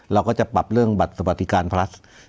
เราก็จะปรับเรื่องบัตรสวัสดิการพลัส